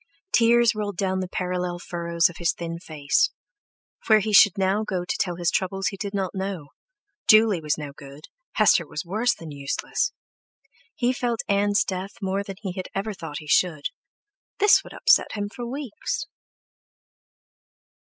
Tears rolled down the parallel furrows of his thin face; where he should go now to tell his troubles he did not know; Juley was no good, Hester worse than useless! He felt Ann's death more than he had ever thought he should; this would upset him for weeks!